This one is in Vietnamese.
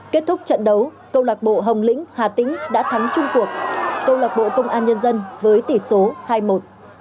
kết thúc trận đấu công lạc bộ hồng lĩnh hà tĩnh đã thắng chung cuộc công lạc bộ công an nhân dân với tỷ số hai mươi một